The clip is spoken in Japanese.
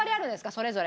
それぞれ。